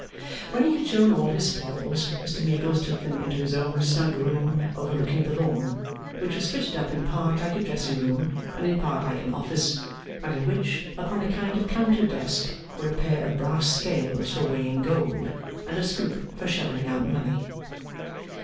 When he had shown all his spoils, Mr Meagles took them into his own snug room overlooking the lawn, which was fitted up in part like a dressing room and in part like an office, and in which, upon a kind of counter desk, were a pair of brass scales for weighing gold, and a scoop for shovelling out money.